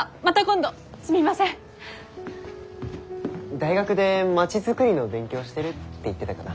大学で町づくりの勉強してるって言ってたかな。